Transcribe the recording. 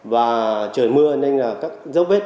và trời mưa nên là các dấu vết